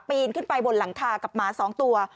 นขึ้นไปบนหลังคากับหมา๒ตัว